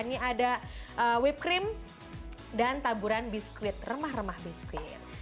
ini ada whippe cream dan taburan biskuit remah remah biskuit